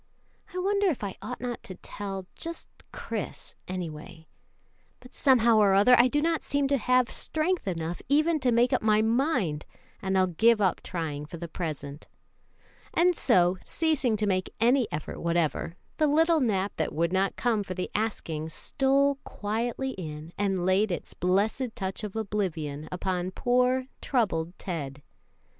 I wonder if I ought not to tell just Chris, anyway; but somehow or other I do not seem to have strength enough even to make up my mind, and I'll give up trying for the present;" and so, ceasing to make any effort whatever, the little nap that would not come for the asking stole quietly in and laid its blessed touch of oblivion upon poor, troubled Ted.